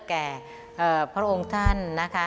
แก่พระองค์ท่าน